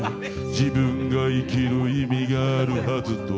自分が生きる意味があるはずと。